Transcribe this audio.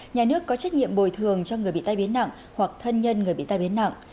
nhà nước có trách nhiệm bồi thường cho người bị tai biến nặng hoặc thân nhân người bị tai biến nặng